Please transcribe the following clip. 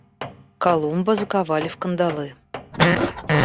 Колумба заковали в кандалы.